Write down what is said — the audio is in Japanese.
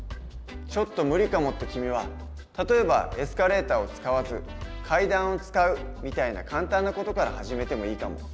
「ちょっと無理かも」って君は例えばエスカレーターを使わず階段を使うみたいな簡単な事から始めてもいいかも。